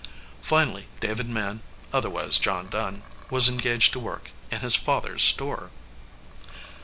Finally David Mann, otherwise John Dunn, was engaged to work in his father s store.